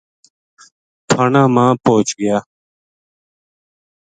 تھانہ ما پوہچ گیا۔